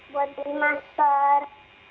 buat beli masker